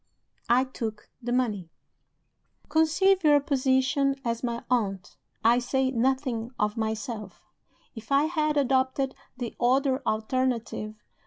I took the money. "Conceive your position as my aunt (I say nothing of myself), if I had adopted the other alternative.